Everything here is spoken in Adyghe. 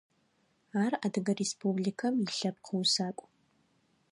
Ар Адыгэ Республикым илъэпкъ усакӏу.